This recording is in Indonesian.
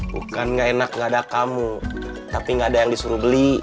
bukan nggak enak nggak ada kamu tapi nggak ada yang disuruh beli